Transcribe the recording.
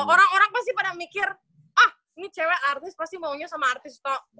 orang orang pasti pada mikir ah ini cewek artis pasti maunya sama artis